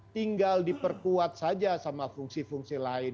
tinggal diperkuat saja sama fungsi fungsi lain